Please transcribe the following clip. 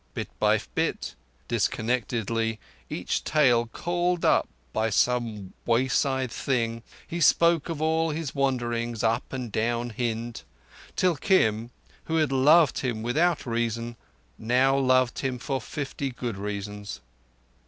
Bit by bit, disconnectedly, each tale called up by some wayside thing, he spoke of all his wanderings up and down Hind; till Kim, who had loved him without reason, now loved him for fifty good reasons.